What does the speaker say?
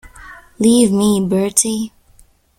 Leave me, Bertie.